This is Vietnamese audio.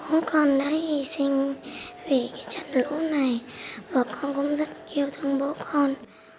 hôm con đã hy sinh vì cái trận lũ này và con cũng rất yêu thương bố con